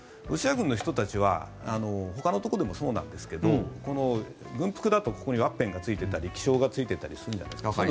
ロシア軍の人たちはほかのところでもそうなんですが軍服だとここにワッペンがついていたり紀章がついていたりするじゃないですか。